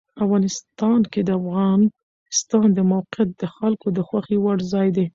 افغانستان کې د افغانستان د موقعیت د خلکو د خوښې وړ ځای دی.